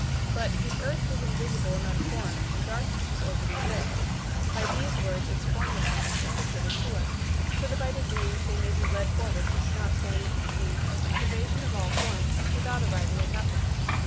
But "the earth was invisible and unformed, and darkness was over the abyss." By these words its formlessness is indicated to us so that by degrees they may be led forward who cannot wholly conceive of the privation of all form without arriving at nothing.